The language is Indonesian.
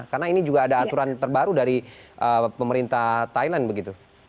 karena ini juga ada aturan terbaru dari pemerintah thailand begitu